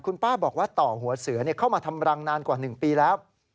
คุณป้าบอกว่าต่อหัวเสือเข้ามาทำรังนานกว่า๑ปีแล้ว